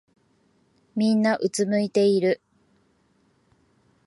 みんなうつむいてる。